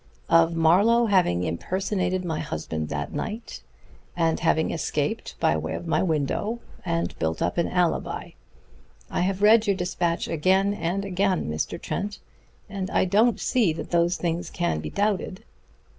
Of Mr. Marlowe having impersonated my husband that night, and having escaped by way of my window, and built up an alibi. I have read your despatch again and again, Mr. Trent, and I don't see that those things can be doubted."